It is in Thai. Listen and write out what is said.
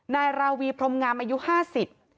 นายราวีพรมงามอายุห้าสิบ